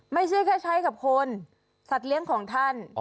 ไม่ใช่แค่ใช้กับคนสัตว์เลี้ยงของท่าน